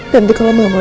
dia tuh anak kita mas